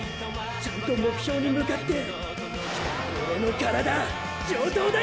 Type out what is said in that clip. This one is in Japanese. ちゃんと目標に向かってオレの体上等だよ！